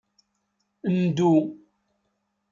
Ndu.